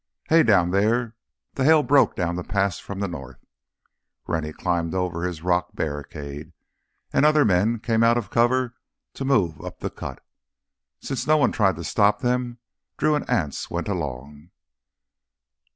"Hey—down here—!" The hail broke down the pass from the north. Rennie climbed over his rock barricade, and other men came out of cover to move up the cut. Since no one tried to stop them, Drew and Anse went along.